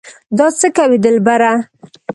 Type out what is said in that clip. دا څه کوې دلبره